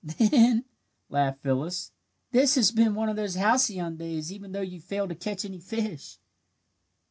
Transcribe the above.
"Then," laughed Phyllis, "this has been one of the 'halcyon days' even though you failed to catch any fish."